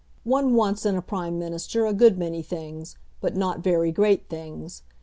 One wants in a Prime Minister a good many things, but not very great things.